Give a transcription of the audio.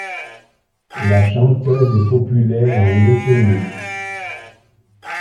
La chanteuse est populaire en Lettonie.